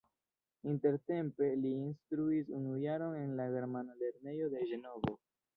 Intertempe li instruis unu jaron en la germana lernejo de Ĝenovo.